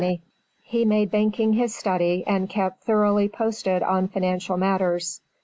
He made banking his study and kept thoroughly posted on financial matters.